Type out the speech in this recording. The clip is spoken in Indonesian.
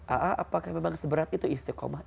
aa apakah memang seberat itu istiqomah